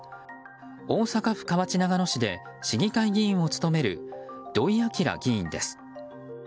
大阪府河内長野市で市議会議員を務める土井昭議員です。